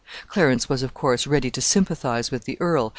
Clarence was, of course, ready to sympathize with the earl.